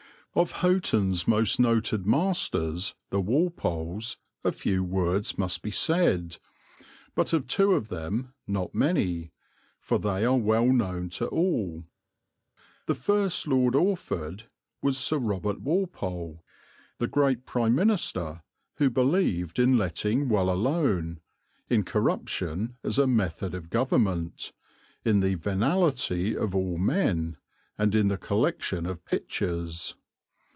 Of Houghton's most noted masters, the Walpoles, a few words must be said, but of two of them not many, for they are well known to all. The first Lord Orford was Sir Robert Walpole, the great Prime Minister who believed in letting well alone, in corruption as a method of Government, in the venality of all men, and in the collection of pictures.